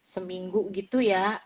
seminggu gitu ya